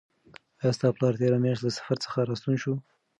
آیا ستا پلار تېره میاشت له سفر څخه راستون شو؟